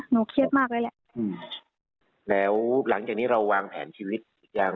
เครียดมากแล้วแหละอืมแล้วหลังจากนี้เราวางแผนชีวิตหรือยัง